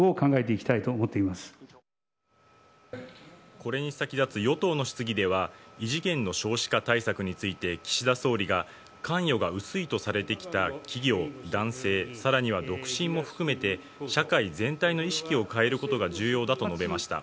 これに先立つ与党の質疑では異次元の少子化対策について岸田総理が関与が薄いとされてきた企業、男性さらには独身も含めて社会全体の意識を変えることが重要だと述べました。